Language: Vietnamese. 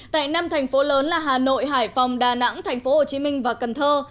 tại năm thành phố lớn là hà nội hải phòng đà nẵng tp hcm và cần thơ